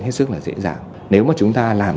hết sức là dễ dàng nếu mà chúng ta làm